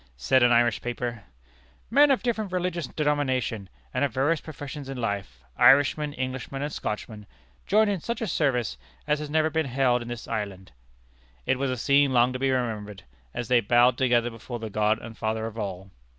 Said an Irish paper: "Men of different religious denomination, and of various professions in life Irishmen, Englishmen, and Scotchmen joined in such a service as has never been held in this island." It was a scene long to be remembered, as they bowed together before the God and Father of all.